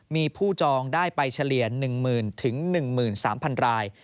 มีผู้จองได้ไปเฉลี่ย๑๐๐๐๑๓๐๐ราย